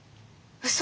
うそ！